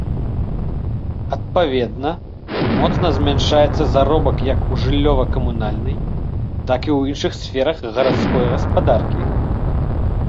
Адпаведна, моцна змяншаецца заробак як у жыллёва-камунальнай, так і ў іншых сферах гарадской гаспадаркі.